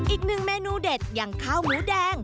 อีกหนึ่งเมนูเด็ดอย่างข้าวหมูแดง